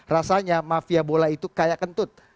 rasanya mafia bola itu kayak kentut